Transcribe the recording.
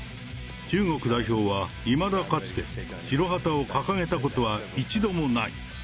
中国代表は、いまだかつて白旗を掲げたことは一度もない。